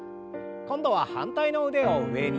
今度は反対の腕を上に。